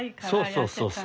そうそうそう。